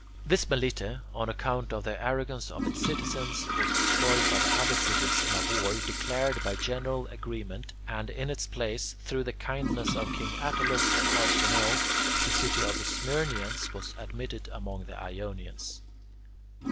This Melite, on account of the arrogance of its citizens, was destroyed by the other cities in a war declared by general agreement, and in its place, through the kindness of King Attalus and Arsinoe, the city of the Smyrnaeans was admitted among the Ionians.